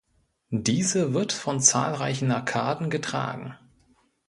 Diese wird von zahlreichen Arkaden getragen.